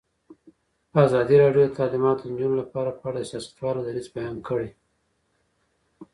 ازادي راډیو د تعلیمات د نجونو لپاره په اړه د سیاستوالو دریځ بیان کړی.